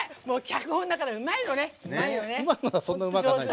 脚本だから、うまいのね。